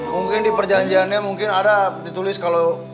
mungkin di perjanjiannya mungkin ada ditulis kalau